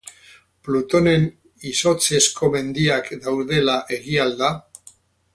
Plutonen izotzezko mendiak daudela egia al da?